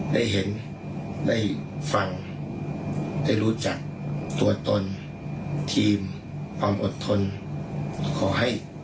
ได้เห็นได้ฟังได้รู้จักตัวตนทีมความอดทนขอให้